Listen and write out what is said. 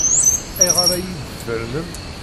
Ayɣer ay iyi-d-tfernem?